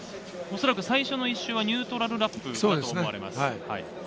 最初の１周はニュートラルラップだと思われます。